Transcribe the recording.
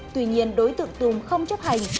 tuy nhiên đối tượng tùng không chấp hành